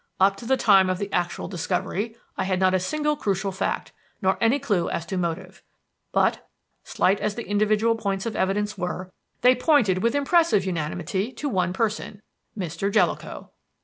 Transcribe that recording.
Up to the time of the actual discovery I had not a single crucial fact, nor any clue as to motive. But, slight as the individual points of evidence were, they pointed with impressive unanimity to one person Mr. Jellicoe.